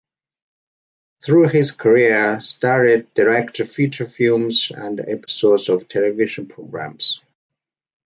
Through his career, Starrett directed feature films and episodes of television programs.